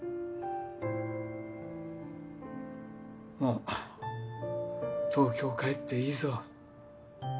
もう東京帰っていいぞ。